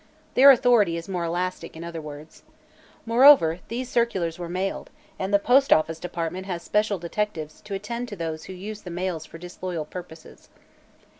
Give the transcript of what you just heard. Their authority is more elastic, in other words. Moreover, these circulars were mailed, and the postoffice department has special detectives to attend to those who use the mails for disloyal purposes."